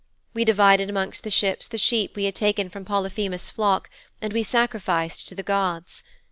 We divided amongst the ships the sheep we had taken from Polyphemus' flock and we sacrificed to the gods.